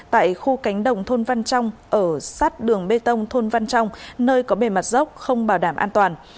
tại khu cánh đồng thôn văn trong ở sát đường bê tông thôn văn trong nơi có bề mặt dốc không bảo đảm an toàn